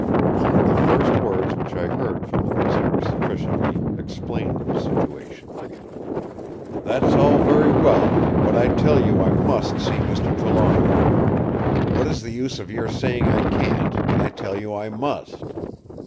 The first words which I heard from the visitor sufficiently explained the situation: "That's all very well, but I tell you I must see Mr. Trelawny! What is the use of your saying I can't, when I tell you I must.